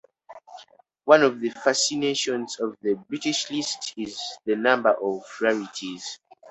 One of the fascinations of the British list is the number of rarities.